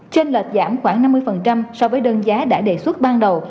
trên lệch giảm khoảng năm mươi so với đơn giá đã đề xuất ban đầu